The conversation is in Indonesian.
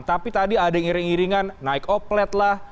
tapi tadi ada yang iring iringan naik oplet lah